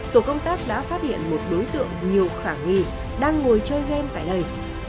tổ công tác đã phát hiện một đối tượng nhiều khả nghi đang ngồi chơi game tại đây